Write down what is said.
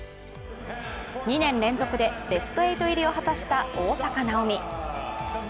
２年連続でベスト８入りを果たした大坂なおみ。